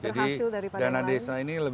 jadi dana desa ini akan lebih